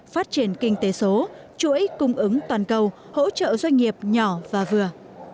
phát triển kinh tế số chuỗi cung ứng toàn cầu hỗ trợ doanh nghiệp nhỏ và vừa